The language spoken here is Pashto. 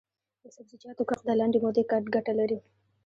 د سبزیجاتو کښت د لنډې مودې ګټه لري.